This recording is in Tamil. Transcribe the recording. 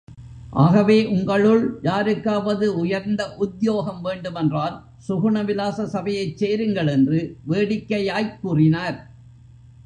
ஆகவே உங்களுள் யாருக்காவது உயர்ந்த உத்யோகம் வேண்டுமென்றால், சுகுண விலாச சபையைச் சேருங்கள்! என்று வேடிக்கையாய்க் கூறினார்.